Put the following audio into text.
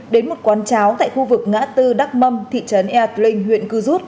đến một quán cháo tại khu vực ngã tư đắk mâm thị trấn eartling huyện cư rút